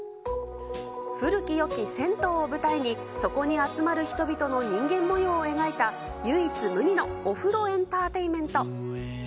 古きよき銭湯を舞台に、そこに集まる人々の人間もようを描いた、唯一無二のお風呂エンターテインメント。